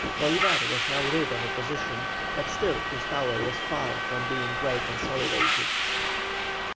Bolívar was now rid of opposition, but still his power was far from being well consolidated.